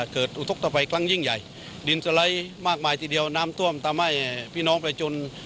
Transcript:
เกิดอุทกตะไฟครั้งยิ่งใหญ่ดินสลัยมากมายทีเดียวน้ำท่วมทำให้พี่น้องไปจน